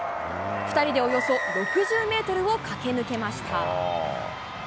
２人でおよそ６０メートルを駆け抜けました。